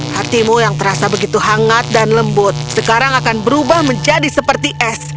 hatimu yang terasa begitu hangat dan lembut sekarang akan berubah menjadi seperti es